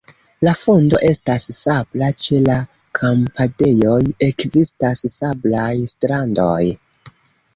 La fundo estas sabla, ĉe la kampadejoj ekzistas sablaj strandoj.